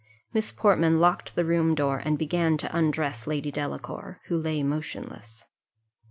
Miss Portman locked the room door, and began to undress Lady Delacour, who lay motionless.